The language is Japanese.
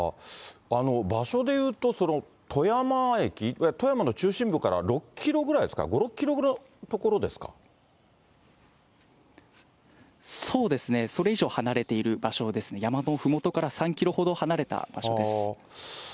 場所で言うと、富山駅、富山の中心部から６キロぐらいですか、５、そうですね、それ以上離れている場所ですね、山のふもとから３キロほど離れた場所です。